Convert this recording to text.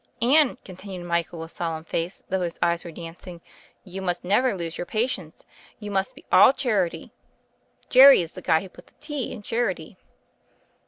"And," continued Michael with solemn face, though his eyes were dancing, "you must never lose your patience; you must be all charity. Jerry is the guy who put the tea in charity."